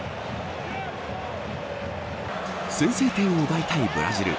先制点を奪いたいブラジル。